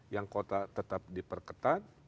yang kota tetap diperketat